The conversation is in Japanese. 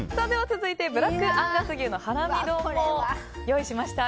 続いてブラックアンガス牛のハラミ丼も用意しました。